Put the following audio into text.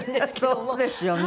そうですよね！